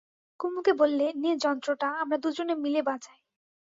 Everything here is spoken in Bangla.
কুমুকে বললে, নে যন্ত্রটা, আমরা দুজনে মিলে বাজাই।